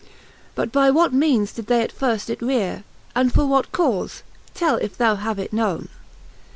But by what meanes did they at firft it reare. And for what caufe, tell, if thou have it knowne.